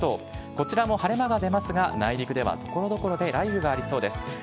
こちらも晴れ間が出ますが、内陸ではところどころで雷雨がありそうです。